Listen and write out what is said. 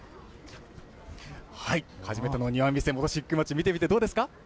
初めての庭見世、本石灰町見てみてどうですか。